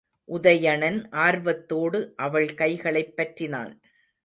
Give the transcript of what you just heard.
உதயணன் ஆர்வத்தோடு அவள் கைகளைப் பற்றினான்.